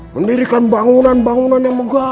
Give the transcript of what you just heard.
mendirikan bangunan bangunan yang megah